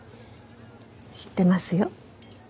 知ってますよ。